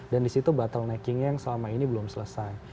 dan di situ bottlenecking yang selama ini belum selesai